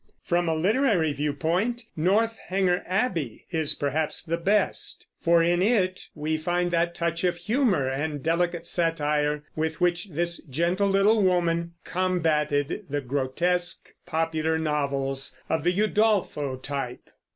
From a literary view point Northanger Abbey is perhaps the best; for in it we find that touch of humor and delicate satire with which this gentle little woman combated the grotesque popular novels of the Udolpho type.